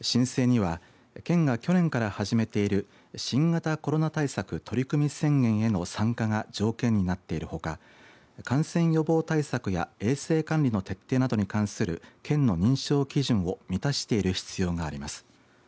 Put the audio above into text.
申請には県が去年から始めている新型コロナ対策取組宣言への参加が条件になっているほか感染予防対策や衛生管理の徹底などに関する県の認証基準を満たしている必要があります。